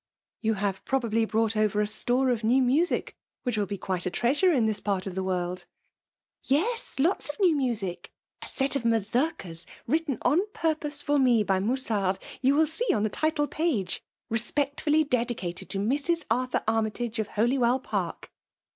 *' You have probably brought over a store of new music, which will be quite a treasure in this part of the world ?"" Yes ; lots of new music !— A set of Ma zurkas, written on purpose for me by MusanL You will see on the title page, * Respectfully dedicated to Mrs. Artlmr Armytagc, of Holy* well Park.'